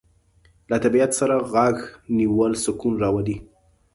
له طبیعت سره غوږ نیول سکون راولي.